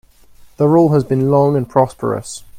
The rule has been long and prosperous.